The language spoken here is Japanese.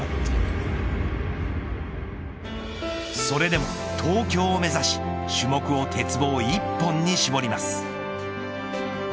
それでも、東京を目指し種目を鉄棒一本に絞ります。